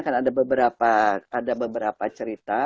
kan ada beberapa ada beberapa cerita